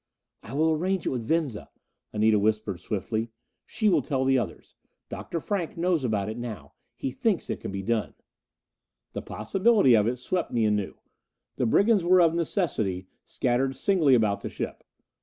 "I will arrange it with Venza," Anita whispered swiftly. "She will tell the others. Dr. Frank knows about it now. He thinks it can be done." The possibility of it swept me anew. The brigands were of necessity scattered singly about the ship.